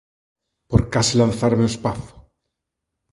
Por case lanzarme ao espazo?